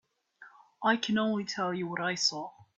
I can only tell you what I saw.